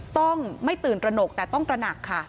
ต้องไม่ตื่นตระหนกแต่ต้องตระหนักค่ะ